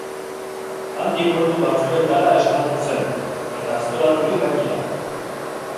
Handik ordu batzuetara esnatu zen, eta aztoraturik gainera.